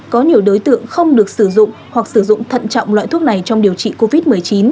có nhiều đối tượng không được sử dụng hoặc sử dụng thận trọng loại thuốc này trong điều trị covid một mươi chín